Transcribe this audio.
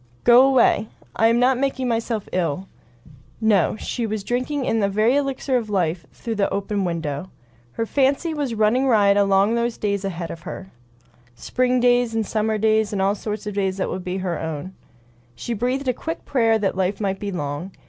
"Go away. I am not making myself ill." No; she was drinking in a very elixir of life through that open window. Her fancy was running riot along those days ahead of her. Spring days, and summer days, and all sorts of days that would be her own. She breathed a quick prayer that life might be long.